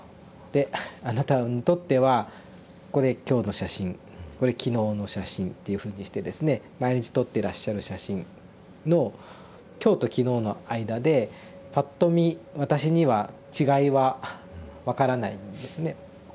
で「あなたにとってはこれ今日の写真これ昨日の写真」っていうふうにしてですね毎日撮っていらっしゃる写真の今日と昨日の間でぱっと見私には違いは分からないんですね。